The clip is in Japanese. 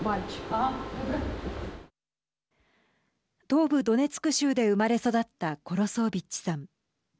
東部ドネツク州で生まれ育ったコロソービッチさん。